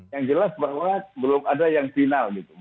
yang jelas bahwa belum ada yang final gitu